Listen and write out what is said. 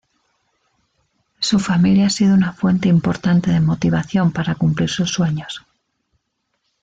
Su familia ha sido una fuente importante de motivación para cumplir sus sueños.